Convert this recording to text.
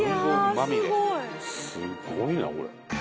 すごいなこれ。